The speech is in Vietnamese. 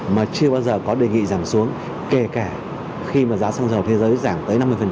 mà chưa bao giờ có đề nghị giảm xuống kể cả khi mà giá xăng dầu thế giới giảm tới năm mươi